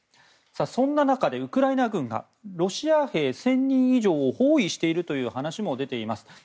そんな中でウクライナ軍がロシア兵１０００人以上を包囲しているという話も出ています。